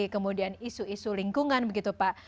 kemudian isu isu lingkungan begitu pak